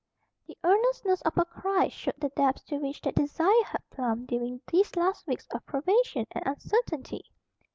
The earnestness of her cry showed the depths to which that desire had plumbed during these last weeks of privation and uncertainty.